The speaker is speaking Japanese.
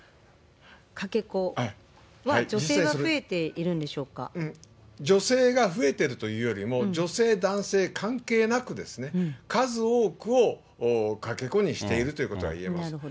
かけ子は女性は増えてるんですか女性が増えてるというよりも、女性、男性関係なくですね、数多くをかけ子にしているということが言えます。